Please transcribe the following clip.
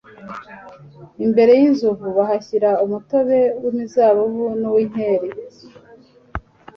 imbere y'inzovu bahashyira umutobe w'imizabibu n'uw'inkeri